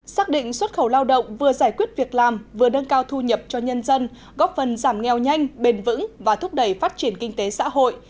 xác định xuất khẩu lao động vừa giải quyết việc làm vừa nâng cao thu nhập cho nhân dân góp phần giảm nghèo nhanh bền vững và thúc đẩy phát triển kinh tế xã hội